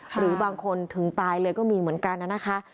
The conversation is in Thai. หรือบางคนถึงตายเลยก็มีเหมือนกันนะคะ